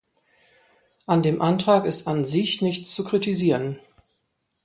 An dem Antrag ist an sich nichts zu kritisieren.